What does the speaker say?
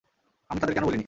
আমি তাদের কেন বলি নি?